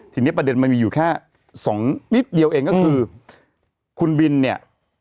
ทีนี้ประเด็นมันมีอยู่แค่สองนิดเดียวเองก็คือคุณบินเนี่ย